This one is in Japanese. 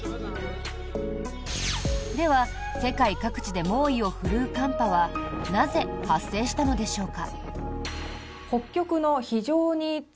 では、世界各地で猛威を振るう寒波はなぜ発生したのでしょうか。